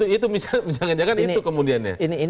itu misalnya jangan jangan itu kemudiannya